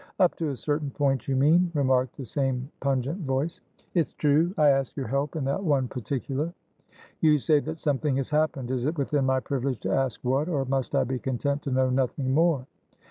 "Up to a certain point, you mean," remarked the same pungent voice. "It's true, I ask your help in that one particular." "You say that something has happened. Is it within my privilege to ask what, or must I be content to know nothing more?"